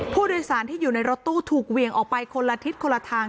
ผู้โดยสารที่อยู่ในรถตู้ถูกเหวี่ยงออกไปคนละทิศคนละทาง